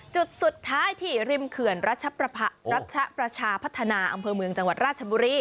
จุดสุดท้ายที่ริมเขื่อนรัชประชาพัฒนาอำเภอเมืองจังหวัดราชบุรี